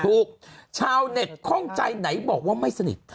ถูกชาวเน็ตข้องใจไหนบอกว่าไม่สนิท